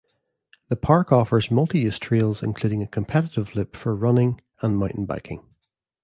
The park offers multi-use trails including a competitive loop for running and mountain biking.